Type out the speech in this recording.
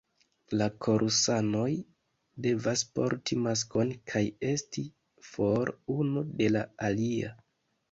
La korusanoj devas porti maskon kaj esti for unu de la alia.